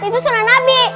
itu sunnah nabi